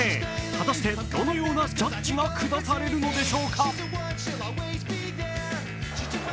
果たしてどのようなジャッジが下されるのでしょうか。